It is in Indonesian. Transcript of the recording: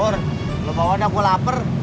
or lu bawa naku lapar